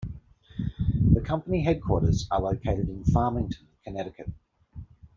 The company headquarters are located in Farmington, Connecticut.